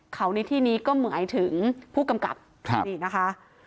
เขาในที่นี้ก็หมายถึงผู้กำกับนี่นะคะ